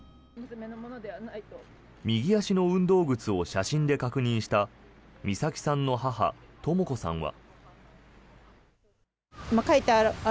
右足の運動靴を写真で確認した美咲さんの母・とも子さんは。